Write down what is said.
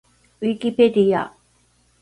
ウィキペディア